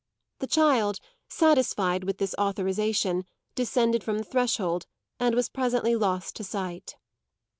The child, satisfied with this authorisation, descended from the threshold and was presently lost to sight.